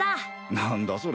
何だそれ